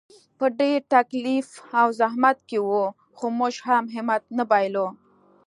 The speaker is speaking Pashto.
په ډېر تکلیف او زحمت کې وو، خو موږ هم همت نه بایللو.